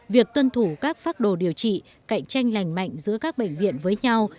việc tuân thủ các pháp đồ điều trị cạnh tranh lành mạnh giữa các bệnh viện với nhau